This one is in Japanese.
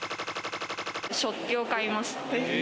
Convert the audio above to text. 食器を買いました。